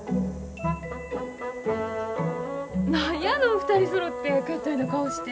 何やの２人そろってけったいな顔して。